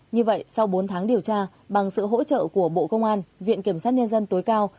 như vậy sau bốn tháng điều tra bằng sự hỗ trợ của bộ công an viện kiểm sát nhân dân tối cao